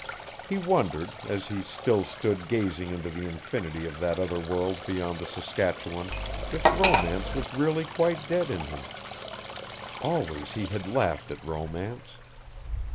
He wondered, as he still stood gazing into the infinity of that other world beyond the Saskatchewan, if romance was really quite dead in him. Always he had laughed at romance.